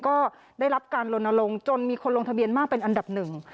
ก็ได้รับการลนลงจนมีคนลงทะเบียนมากเป็นอันดับหนึ่ง